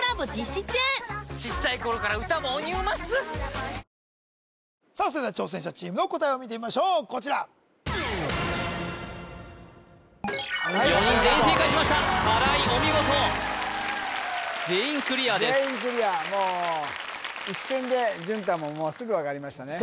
キリン「一番搾り」それでは挑戦者チームの答えを見てみましょうこちら４人全員正解しましたたらいお見事全員クリアです全員クリアもう一瞬で淳太ももうすぐ分かりましたね